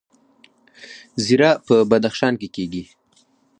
زیره په بدخشان کې کیږي